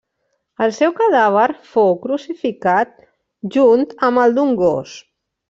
El seu cadàver fou crucificat junt amb el d'un gos.